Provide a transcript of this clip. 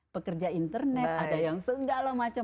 pekerja internet ada yang segala macam